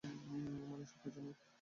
মানে, সব কিছু নয়।